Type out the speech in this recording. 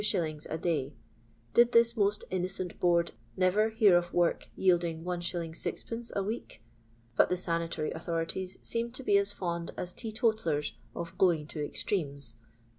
a day ; did this most innocent Board ntver hear of work yielding \t. 6d. a week) But the sanitary authorities seem to be as fond as teeto tallers of " going to extremes.